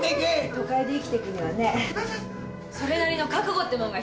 都会で生きてくにはねそれなりの覚悟ってもんが必要なのよ。